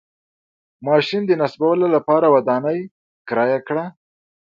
ماشین د نصبولو لپاره ودانۍ کرایه کړه.